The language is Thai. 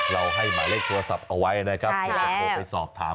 เราให้หมายเลขโทรศัพท์เอาไว้นะครับเพื่อจะโทรไปสอบถาม